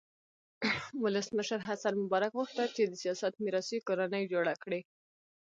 ولسمشر حسن مبارک غوښتل چې د سیاست میراثي کورنۍ جوړه کړي.